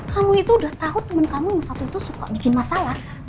kamu itu udah tahu temen kamu yang satu itu suka bikin masalah